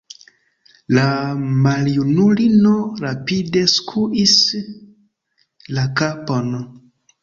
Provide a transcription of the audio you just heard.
La maljunulino rapide skuis la kapon.